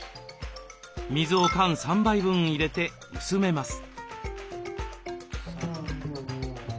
水を缶３杯分入れて薄めます。